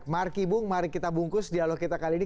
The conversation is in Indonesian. marki bung mari kita bungkus dialog kita kali ini